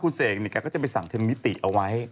คุณเสกเนี่ยแกก็จะไปสั่งเทรนมิติเอาไว้